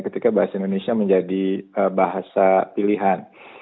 ketika bahasa indonesia menjadi bahasa pilihan